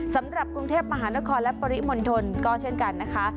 สำหรับกรุงเทพมหานครและปริมณฑลก็เช่นกันนะคะ